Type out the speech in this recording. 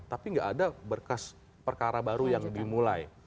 tapi nggak ada berkas perkara baru yang dimulai